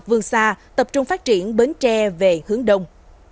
vương xa tập trung phát triển bến tre về hướng đông